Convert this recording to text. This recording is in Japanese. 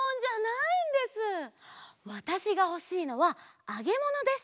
わたしがほしいのはあげものです！